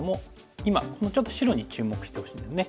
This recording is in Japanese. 今このちょっと白に注目してほしいんですね。